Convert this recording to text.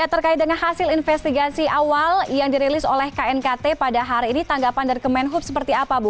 terkait dengan hasil investigasi awal yang dirilis oleh knkt pada hari ini tanggapan dari kemenhub seperti apa bu